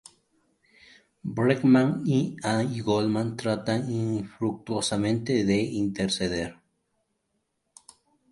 Berkman y Goldman tratan infructuosamente de interceder.